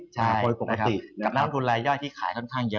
กับน้ำทุนรายย่อยขายที่เยอะ